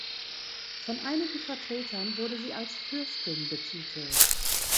Von einigen Vertretern wurde sie als „Fürstin“ betitelt.